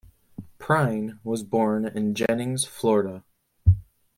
Prine was born in Jennings, Florida.